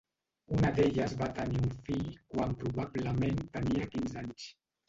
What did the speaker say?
Una d'elles va tenir un fill quan probablement tenia quinze anys.